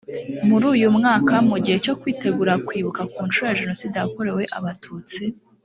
muri uyu mwaka mu gihe cyo kwitegura kwibuka ku nshuro ya jenoside yakorewe abatutsi